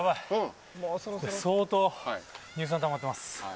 相当、乳酸たまってます。